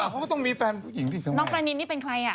เขาก็ต้องมีแฟนผู้หญิงสิน้องประนินนี่เป็นใครอ่ะ